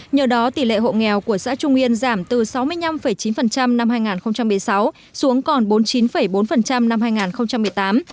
nhờ đó tỷ lệ hộ nghèo của xã trung yên giảm từ sáu mươi năm chín năm hai nghìn một mươi sáu xuống còn bốn mươi chín bốn năm hai nghìn một mươi tám